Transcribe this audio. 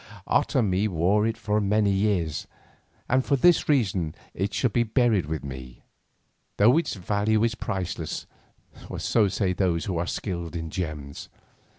Otomie wore it for many years, and for this reason it shall be buried with me, though its value is priceless, so say those who are skilled in gems.